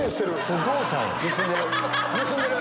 盗んでる。